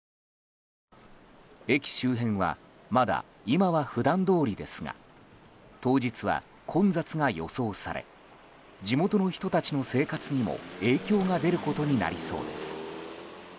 駅周辺はまだ今は普段どおりですが当日は混雑が予想され地元の人たちの生活にも影響が出ることになりそうです。